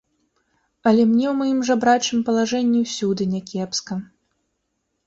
Але мне ў маім жабрачым палажэнні ўсюды някепска.